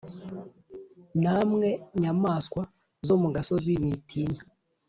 Namwe, nyamaswa zo mu gasozi, mwitinya;